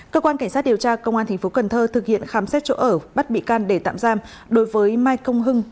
cơ quan cảnh sát điều tra công an tp cn thực hiện khám xét chỗ ở bắt bị can để tạm giam đối với mai công hưng